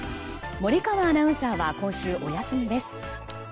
森川アナウンサーは今週お休みです。